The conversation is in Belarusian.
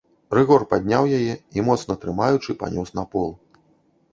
Рыгор падняў яе і, моцна трымаючы, панёс на пол.